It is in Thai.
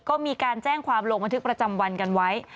ก็มีการแจ้งความลงบันทึกประจำวันกันไว้